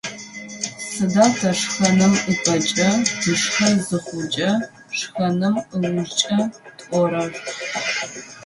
Сыда тэ шхэным ыпэкӏэ, тышхэ зыхъукӏэ, шхэным ыужкӏэ тӏорэр?